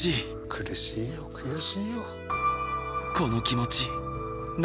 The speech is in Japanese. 苦しいよ悔しいよ。